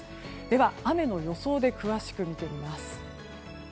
では、雨の予想で詳しく見てみます。